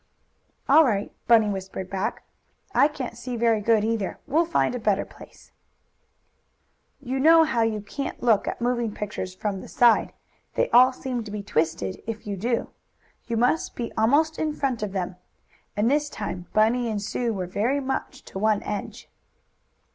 "All right," Bunny whispered back. "I can't see very good, either. We'll find a better place." You know you can't look at moving pictures from the side, they all seem to be twisted if you do. You must be almost in front of them, and this time Bunny and Sue were very much to one edge.